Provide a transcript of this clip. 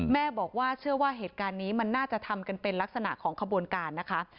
แม่บอกว่าเชื่อว่าเหตุการณ์นี้มันน่าจะทำกันเป็นลักษณะของขบวนการนะคะ